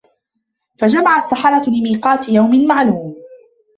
فَجُمِعَ السَّحَرَةُ لِميقاتِ يَومٍ مَعلومٍ